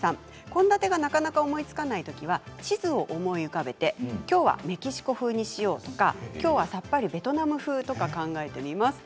献立がなかなか思いつかないときは地図を思い浮かべてきょうはメキシコ風にしようとかきょうはさっぱりベトナム風とか考えています。